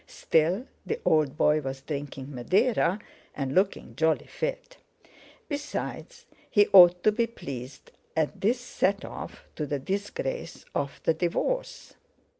Still, the old boy was drinking Madeira, and looking jolly fit! Besides, he ought to be pleased at this set off to the disgrace of the divorce.